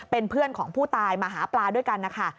เป็นเพื่อนของผู้ตายมาหาปลาด้วยกันนะคะ